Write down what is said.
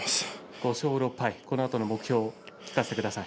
５勝６敗、このあとの目標を聞かせてください。